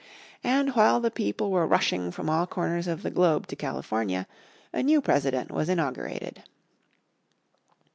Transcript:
And while the people were rushing from all corners of the globe to California, a new President was inaugurated.